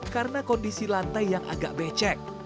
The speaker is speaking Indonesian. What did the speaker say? karena kondisi lantai yang agak becek